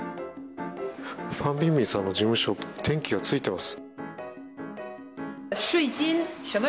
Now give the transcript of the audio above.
ファン・ビンビンさんの事務所、電気がついています。